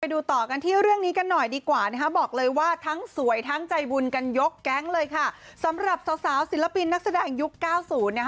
ดูต่อกันที่เรื่องนี้กันหน่อยดีกว่านะคะบอกเลยว่าทั้งสวยทั้งใจบุญกันยกแก๊งเลยค่ะสำหรับสาวสาวศิลปินนักแสดงยุคเก้าศูนย์นะคะ